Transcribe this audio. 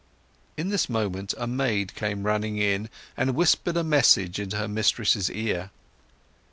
In this moment, a maid came running in and whispered a message into her mistress's ear.